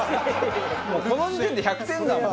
もうこの時点で１００点だもん。